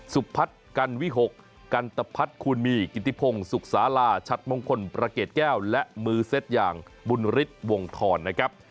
สุพัฒน์กันวิหกกันตะพัฒน์คูณมีกิติพงศุกร์สาราชัดมงคลประเกรดแก้วและมือเซ็ตอย่างบุญฤทธิ์วงธรนะครับ